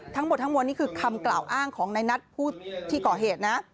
ทั้งหมดทั้งมวลนี่คือคำกล่าวอ้างของในนัทผู้ที่ก่อเหตุนะ